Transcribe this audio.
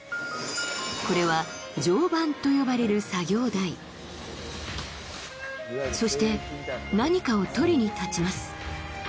これは「定盤」と呼ばれる作業台そして何かを取りに立ちます